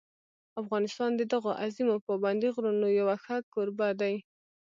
افغانستان د دغو عظیمو پابندي غرونو یو ښه کوربه دی.